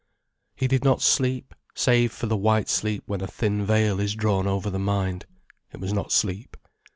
He did not sleep, save for the white sleep when a thin veil is drawn over the mind. It was not sleep.